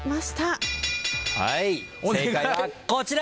はい正解はこちら。